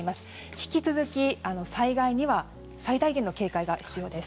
引き続き、災害には最大限の警戒が必要です。